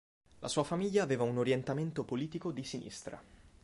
La sua famiglia aveva un orientamento politico di sinistra.